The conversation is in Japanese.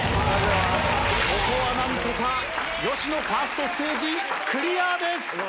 ここは何とか吉野ファーストステージクリアです。